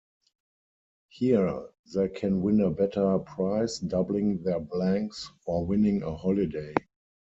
Here, they can win a better prize, doubling their blanks or winning a holiday.